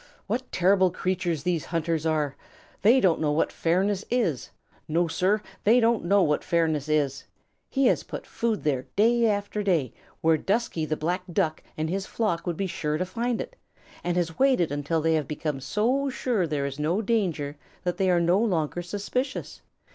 What terrible creatures these hunters are! They don't know what fairness is. No, Sir, they don't know what fairness is. He has put food there day after day, where Dusky the Black Duck and his flock would be sure to find it, and has waited until they have become so sure there is no danger that they are no longer suspicious.